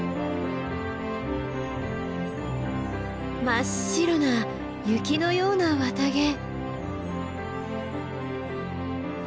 真っ白な雪のような綿毛。